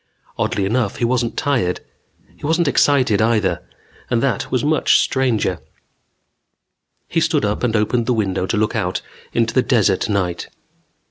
Oddly enough, he wasn't tired. He wasn't excited, either. And that was much stranger. He stood up and opened the window to look out into the desert night.